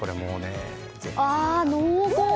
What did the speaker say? ああ濃厚！